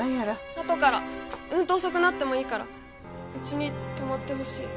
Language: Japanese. あとからうんと遅くなってもいいから家に泊まってほしい。